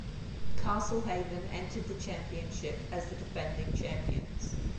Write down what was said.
Castlehaven entered the championship as the defending champions.